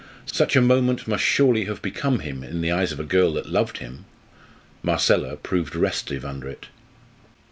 Such a moment must surely have become him in the eyes of a girl that loved him. Marcella proved restive under it.